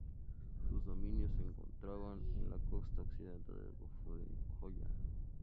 Sus dominios se encontraban en la costa occidental del golfo de Nicoya.